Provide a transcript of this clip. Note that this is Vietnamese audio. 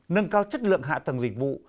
nâng cao chất lượng hạ tầng dịch vụ